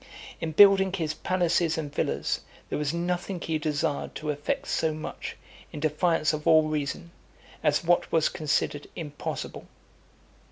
In building his palaces and villas, there was nothing he desired to effect so much, in defiance of all reason, as what was considered impossible.